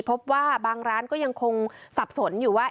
พบว่าบางร้านก็ยังคงสับสนอยู่ว่า